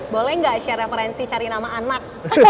boleh nggak share referensi cari nama anak